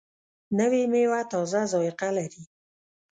نوې میوه تازه ذایقه لري